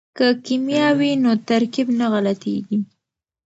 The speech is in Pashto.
که کیمیا وي نو ترکیب نه غلطیږي.